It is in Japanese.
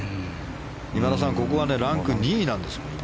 今田さん、ここはランク２位なんですって、今。